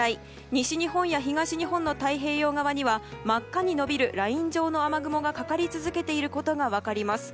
西日本や東日本の太平洋側には真っ赤に延びるライン上の雨雲がかかり続けていることが分かります。